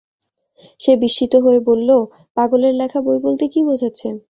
সে বিস্মিত হয়ে বলল, পাগলের লেখা বই বলতে কী বোঝাচ্ছেন?